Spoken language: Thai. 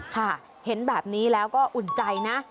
ค่ะเห็นแบบนี้แล้วก็อุ่นใจนะ